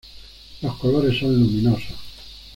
Los colores son luminosos.